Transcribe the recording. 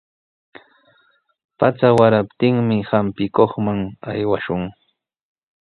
Pacha waraptinmi hampikuqman aywashun.